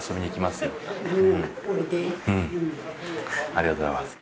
ありがとうございます。